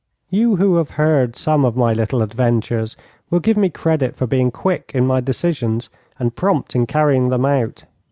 You who have heard some of my little adventures will give me credit for being quick in my decisions, and prompt in carrying them out.